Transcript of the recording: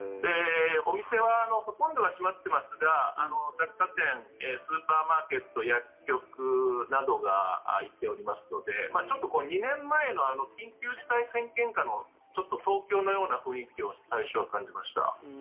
お店はほとんどは閉まってますが雑貨店、スーパーマーケット薬局などが開いておりますのでちょっと２年前の緊急事態宣言下の東京のような雰囲気を最初は感じました。